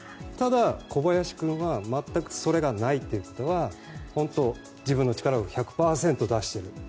ただ、小林君は全くそれがないということは本当、自分の力を１００％出している。